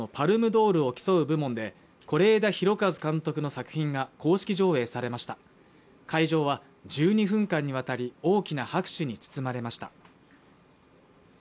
ドールを競う部門で是枝裕和監督の作品が公式上映されました会場は１２分間にわたり大きな拍手に包まれました